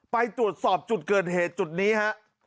ไปตรวจสอบจุดเกิดเหตุจุดนี้ฮะ